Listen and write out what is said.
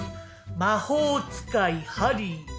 魔法使いハリー。